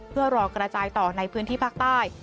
เพื่อรอกระจายต่อในพื้นที่ภาคใต้